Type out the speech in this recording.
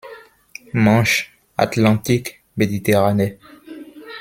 Manche, Atlantique, Méditerranée.